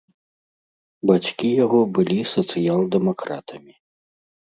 Бацькі яго былі сацыял-дэмакратамі.